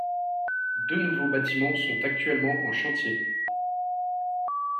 Deux nouveaux bâtiments sont actuellement en chantier.